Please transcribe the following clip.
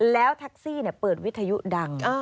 แล้วแท็กซี่เปิดวิทยุดัง